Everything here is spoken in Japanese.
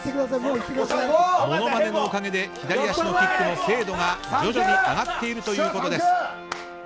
モノマネのおかげで左足のキックの精度が徐々に上がっているということです。